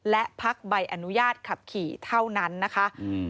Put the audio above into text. และพักใบอนุญาตขับขี่เท่านั้นนะคะอืม